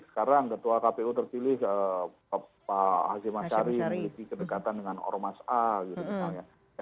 sekarang ketua kpu terpilih pak haji masyari memiliki kedekatan dengan ormas a gitu misalnya